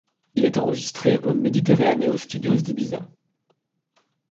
Il est enregistré aux Mediterráneo Studios d'Ibiza.